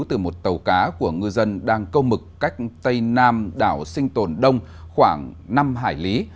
từ một tàu cá của ngư dân đang câu mực cách tây nam đảo sinh tồn đông khoảng năm hải lý